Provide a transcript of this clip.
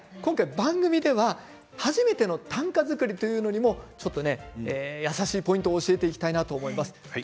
番組では初めての短歌作りというものにも優しいポイントを教えていきたいなと思います。